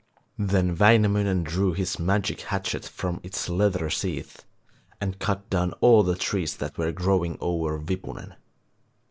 Then Wainamoinen drew his magic hatchet from its leather sheath, and cut down all the trees that were growing over Wipunen.